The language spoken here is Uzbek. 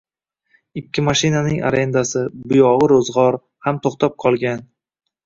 Ikkita mashinaning arendasi, buyog`i ro`zg`or, ham to`xtab qolgan